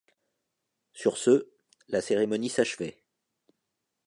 Sur ce, la cérémonie s'achevait.